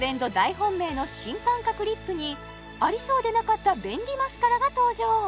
本命の新感覚リップにありそうでなかった便利マスカラが登場